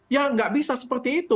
ya nggak bisa seperti itu